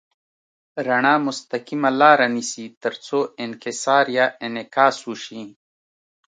رڼا مستقیمه لاره نیسي تر څو انکسار یا انعکاس وشي.